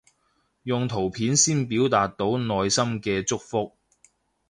用圖片先表達到內心嘅祝福